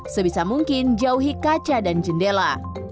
sebisa mungkin jauhi kaca dan jendela